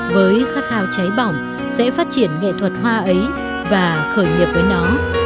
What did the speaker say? với khát khao cháy bỏng sẽ phát triển nghệ thuật hoa ấy và khởi nghiệp với nó